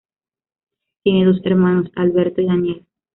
Tiene dos hermanos, Alberto y Daniel.